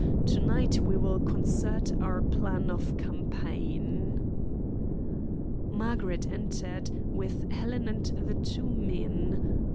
To night we will concert our plan of campaign." Margaret entered, with Helen and the two men.